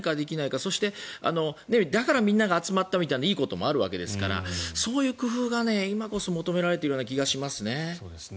そして、だからみんなが集まったみたいないいことがあるわけですからそういう工夫が今こそ求められているような気がしますね。